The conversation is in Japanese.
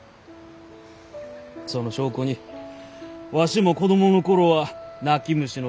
その証拠にわしも子供の頃は泣き虫の毛虫じゃったがよ。